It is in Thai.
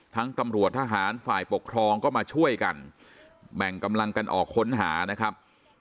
ตำรวจทหารฝ่ายปกครองก็มาช่วยกันแบ่งกำลังกันออกค้นหานะครับ